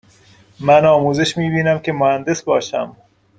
من آموزش می بینم که مهندس باشم.